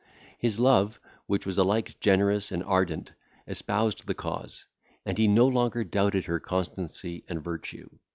His love, which was alike generous and ardent, espoused the cause, and he no longer doubted her constancy and virtue.